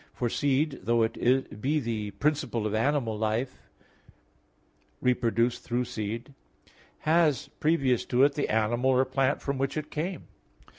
For seed, though it be the principle of animal life reproduced through seed, has previous to it, the animal or plant from which is came.